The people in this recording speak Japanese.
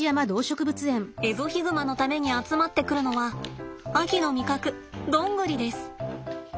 エゾヒグマのために集まってくるのは秋の味覚どんぐりです！